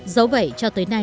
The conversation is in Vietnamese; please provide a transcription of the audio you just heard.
giấu vậy cho tới nay